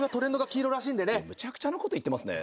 むちゃくちゃなこと言ってますね。